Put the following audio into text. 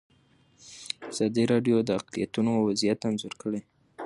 ازادي راډیو د اقلیتونه وضعیت انځور کړی.